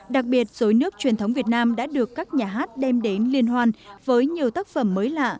đặc biệt dối nước truyền thống việt nam đã được các nhà hát đem đến liên hoan với nhiều tác phẩm mới lạ